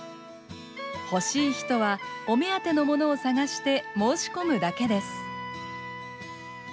欲しい人はお目当てのものを探して申し込むだけです。